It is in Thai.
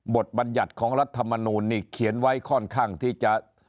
บัญญัติของรัฐมนูลนี่เขียนไว้ค่อนข้างที่จะ